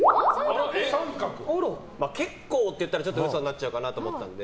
結構って言ったら嘘になっちゃうかなと思ったので。